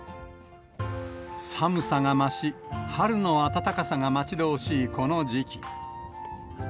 寒さが増し、春の暖かさが待ち遠しいこの時期。